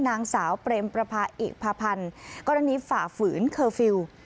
นางสาวเปรมประพาอิพาพันธ์กรณีฝ่าฝืนเคอร์ฟิลล์